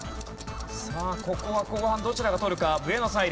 さあここは後半どちらが取るか？